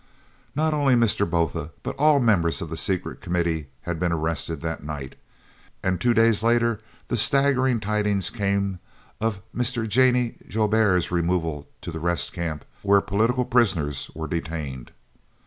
Not only Mr. Botha, but all the members of the Secret Committee had been arrested that night, and two days later the staggering tidings came of Mr. Jannie Joubert's removal to the Rest Camp, where "political prisoners" were detained.